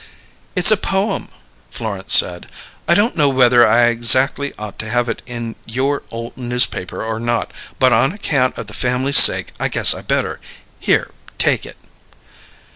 "It's a poem," Florence said. "I don't know whether I exackly ought to have it in your ole newspaper or not, but on account of the family's sake I guess I better. Here, take it."